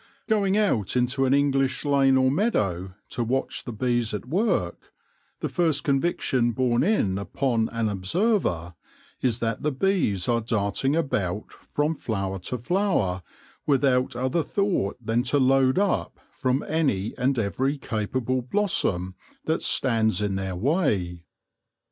Going out into an English lane or meadow to watch the bees at work, the first conviction borne in upon an observer is that the bees are darting about from flower to flower with out other thought than to load up from any and every capable blossom that stands in their way.